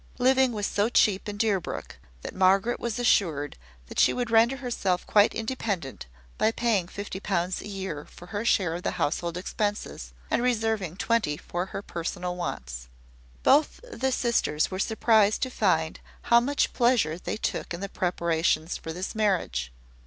Living was so cheap in Deerbrook, that Margaret was assured that she would render herself quite independent by paying fifty pounds a year for her share of the household expenses, and reserving twenty for her personal wants. Both the sisters were surprised to find how much pleasure they took in the preparations for this marriage.